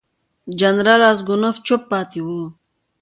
جنرال راسګونوف چوپ پاتې وو.